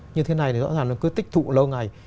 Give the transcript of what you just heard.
như thế này thì rõ ràng nó cứ tích tụ lâu ngày